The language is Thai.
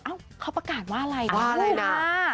อ้าวเขาประกาศว่าอะไรนะโอ้โฮค่ะว่าอะไรน่ะ